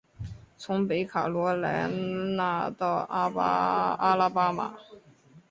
从北卡罗来纳到阿拉巴马。